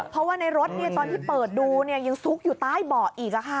เพราะว่าในรถตอนที่เปิดดูยังซุกอยู่ใต้เบาะอีก